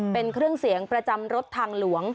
เป็นเครื่องเสียงประจำรถทางหลวง